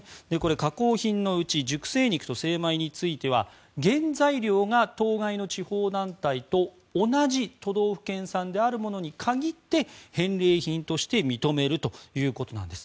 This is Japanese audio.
加工品のうち熟成肉と精米については原材料が当該の地方団体と同じ都道府県産であるものに限って返礼品として認めるということなんです。